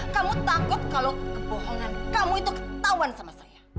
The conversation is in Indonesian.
kamu takut kalau kebohongan kamu itu ketahuan sama saya